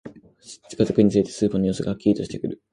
近づくにつれて、スーパーの様子がはっきりとしてくる